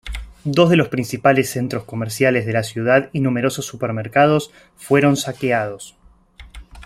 Dos de los principales centros comerciales de la ciudad y numerosos supermercados fueron saqueados.